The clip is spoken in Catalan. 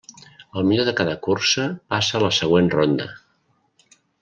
El millor de cada cursa passa a la següent ronda.